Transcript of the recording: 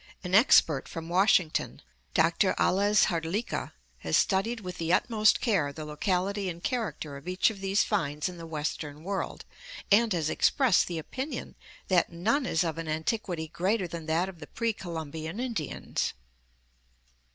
An expert from Washington, Doctor Ales Hrdlicka, has studied with the utmost care the locality and char acter of each of these finds in the western world, and has ex pressed the opinion that none is of an antiquity greater than that of the pre Columbian Indians.